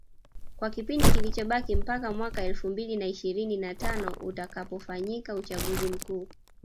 kwa kipindi kilichobakia mpaka mwaka elfu mbili na ishirini na tano utakapofanyika uchaguzi mkuu